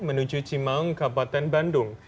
menuju cimaung kabupaten bandung